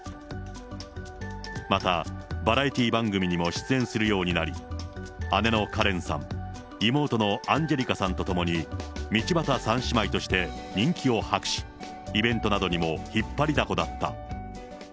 また、バラエティー番組にも出演するようになり、姉のカレンさん、妹のアンジェリカさんと共に、道端３姉妹として人気を博し、イベントなどにも引っ張りだこだった。